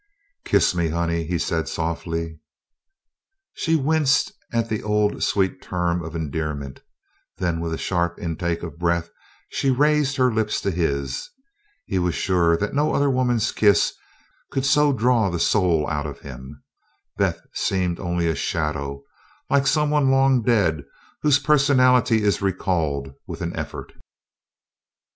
"Kiss me Honey!" he said softly. She winced at the old sweet term of endearment, then with a sharp intake of breath she raised her lips to his. He was sure that no other woman's kiss could so draw the soul out of him. Beth seemed only a shadow like someone long dead whose personality is recalled with an effort.